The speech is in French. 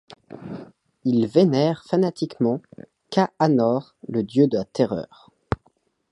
Ils vénèrent fanatiquement Ka Anor, le dieu de la terreur.